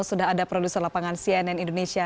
sudah ada produser lapangan cnn indonesia